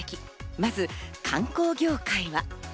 まず観光業界は。